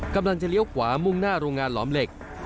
กำลังจะเลี้ยวขวามุ่งหน้าโรงงานหลอมเหล็ก